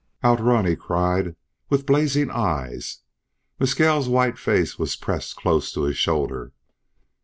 "Outrun!" he cried, with blazing eyes. Mescal's white face was pressed close to his shoulder.